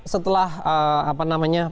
setelah apa namanya